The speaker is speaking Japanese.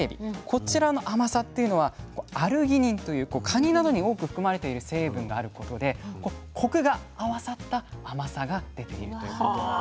こちらの甘さっていうのはアルギニンというカニなどに多く含まれている成分があることでコクが合わさった甘さが出ているということなんですね。